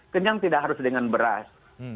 kenyang tidak harus dengan beras